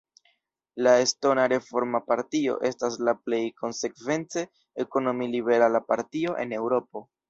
La Estona Reforma Partio estas la plej konsekvence ekonomi-liberala partio en Eŭropo.